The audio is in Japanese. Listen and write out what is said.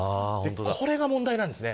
これが問題なんですね。